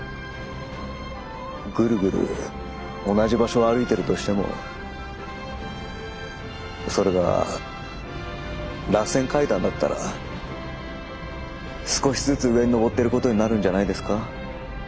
ぐるぐる同じ場所を歩いているとしてもそれがらせん階段だったら少しずつ上に上ってることになるんじゃないですか。